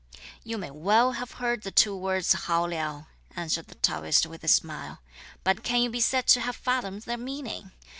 "You may well have heard the two words 'hao liao,'" answered the Taoist with a smile, "but can you be said to have fathomed their meaning?